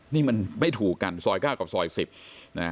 นี่มันไม่ถูกกันซอยเก้ากับซอยสิบน่ะ